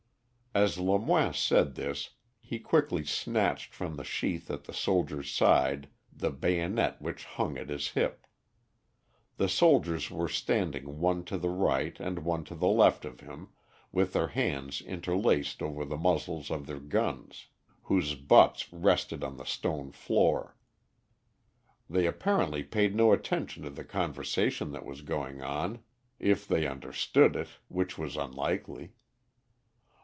As Lemoine said this he quickly snatched from the sheath at the soldier's side the bayonet which hung at his hip. The soldiers were standing one to the right, and one to the left of him, with their hands interlaced over the muzzles of their guns, whose butts rested on the stone floor. They apparently paid no attention to the conversation that was going on, if they understood it, which was unlikely.